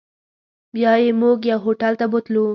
بیا یې موږ یو هوټل ته بوتلو.